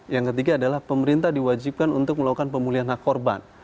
yang ketiga adalah pemerintah diwajibkan untuk melakukan pemulihan hak korban